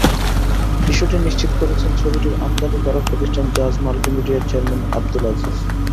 বিষয়টি নিশ্চিত করেছেন ছবিটির আমদানিকারক প্রতিষ্ঠান জাজ মাল্টিমিডিয়ার চেয়ারম্যান আবুদল আজিজ।